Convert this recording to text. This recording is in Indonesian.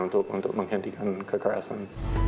untuk menghentikan kekerasan